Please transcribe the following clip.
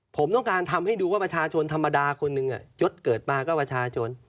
ผมต้องการทำให้ดูว่าประชาชนธรรมดาคนหนึ่งยศเกิดมาก็ประชาชน